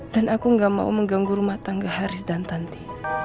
dan aku gak mau mengganggu rumah tangga haris dan tanti